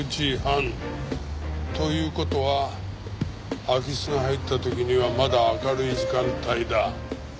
という事は空き巣が入った時にはまだ明るい時間帯だ。